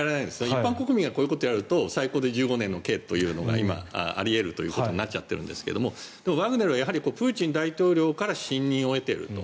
一般国民がこういうことをやったら最高で１５年の刑というのがあり得るということになっちゃってるんですがワグネルはプーチン大統領から信任を得ていると。